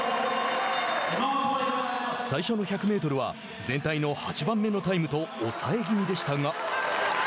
最初の１００メートルは全体の８番目のタイムと抑えぎみでしたが。